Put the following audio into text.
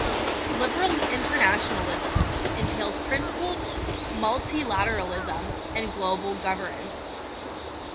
Liberal internationalism entails principled multilateralism and global governance.